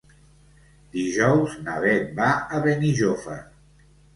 Dijous na Bet va a Benijòfar.